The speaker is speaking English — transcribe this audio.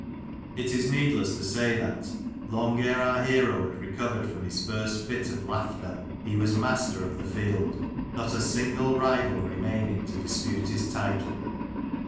It is needless to say that, long ere our hero had recovered from his first fit of Old JohiCs Sunday Dinner. iir laughter, he was master of the field; not a single rival wmaining to dispute his title.